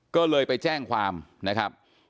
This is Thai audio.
ก็เลยไปแจ้งความนะครับ